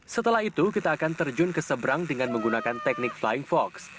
setelah itu kita akan terjun ke seberang dengan menggunakan teknik flying fox